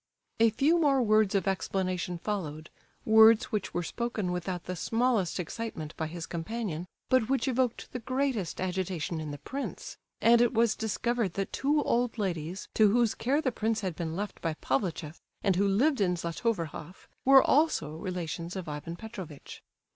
A few more words of explanation followed, words which were spoken without the smallest excitement by his companion, but which evoked the greatest agitation in the prince; and it was discovered that two old ladies to whose care the prince had been left by Pavlicheff, and who lived at Zlatoverhoff, were also relations of Ivan Petrovitch.